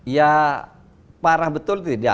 ya parah betul tidak